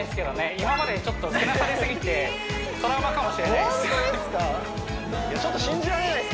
今までちょっとけなされすぎてトラウマかもしれないです